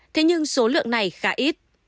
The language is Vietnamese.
thế nhưng số lượng này khá ít